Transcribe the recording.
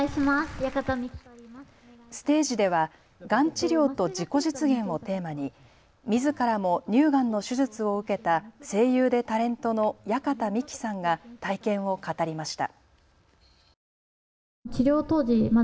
ステージではがん治療と自己実現をテーマにみずからも乳がんの手術を受けた声優でタレントの矢方美紀さんが体験を語りました。